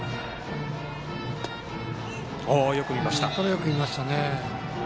よく見ましたね。